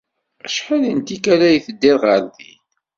Acḥal n tikkal ay teddiḍ ɣer din?